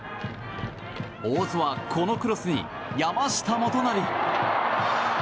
大津はこのクロスに山下基成。